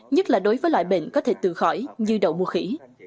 nhất là đối với loại bệnh có thể từ khỏi như đậu mùa khỉ